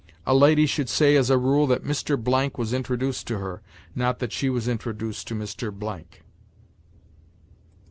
A lady should say, as a rule, that Mr. Blank was introduced to her, not that she was introduced to Mr. Blank.